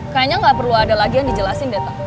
kayaknya gak perlu ada lagi yang dijelasin deh tak